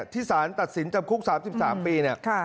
ที่ศาลตัดสินจบคุกสามสิบสามปี